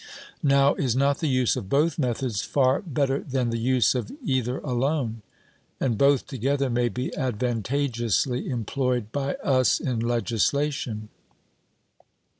Now is not the use of both methods far better than the use of either alone? And both together may be advantageously employed by us in legislation.